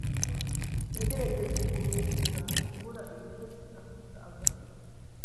yagerageje kumwishura kubura ibitotsi afata agatotsi.